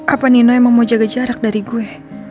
apa nino yang mau jaga jarak dari gue